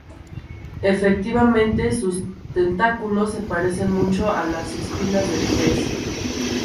Efectivamente, sus tentáculos se parecen mucho a las espinas del pez.